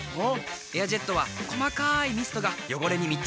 「エアジェット」は細かいミストが汚れに密着。